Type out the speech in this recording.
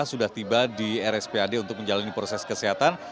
sudah tiba di rspad untuk menjalani proses kesehatan